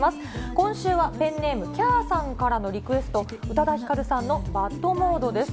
今週はペンネーム、きゃあさんからのリクエスト、宇多田ヒカルさんのＢＡＤモードです。